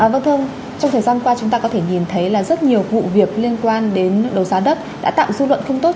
vâng thưa ông trong thời gian qua chúng ta có thể nhìn thấy là rất nhiều vụ việc liên quan đến đấu giá đất đã tạo dư luận không tốt